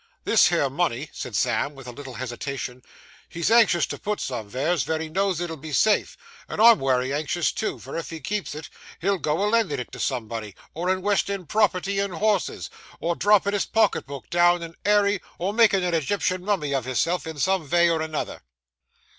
'This here money,' said Sam, with a little hesitation, 'he's anxious to put someveres, vere he knows it'll be safe, and I'm wery anxious too, for if he keeps it, he'll go a lendin' it to somebody, or inwestin' property in horses, or droppin' his pocket book down an airy, or makin' a Egyptian mummy of his self in some vay or another.